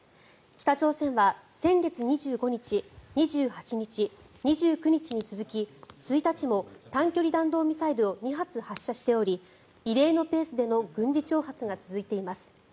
北朝鮮は、先月２５日２８日、２９日に続き１日も短距離弾道ミサイルを２発発射しており異例のペースでの軍事挑発が続いています。